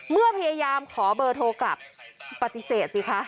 เมื่อพยายามขอเบอร์โทรกลับปฏิเสธสิคะ